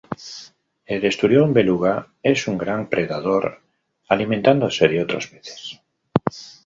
El esturión beluga es un gran predador, alimentándose de otros peces.